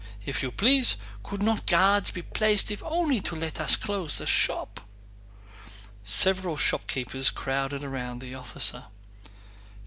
If you please, could not guards be placed if only to let us close the shop...." Several shopkeepers crowded round the officer.